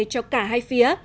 cho cả hai phía